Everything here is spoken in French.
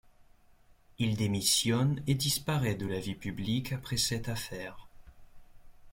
Il démissionne et disparaît de la vie publique après cette affaire.